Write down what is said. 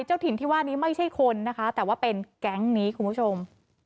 เจ้าถิ่นที่ว่านี้ไม่ใช่คนนะคะแต่ว่าเป็นแก๊งนี้คุณผู้ชม